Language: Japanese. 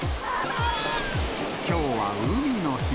きょうは海の日。